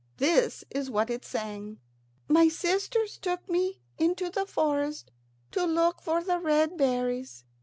This is what it sang: "My sisters took me into the forest to look for the red berries.